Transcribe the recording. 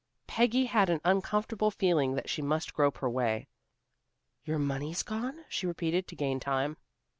Peggy had an uncomfortable feeling that she must grope her way. "Your money's gone?" she repeated, to gain time.